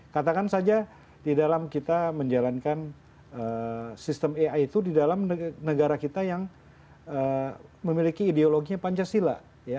katakan saja di dalam kita menjalankan sistem ai itu di dalam negara kita yang memiliki ideologinya pancasila